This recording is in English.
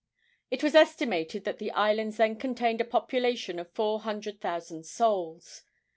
It was estimated that the islands then contained a population of four hundred thousand souls.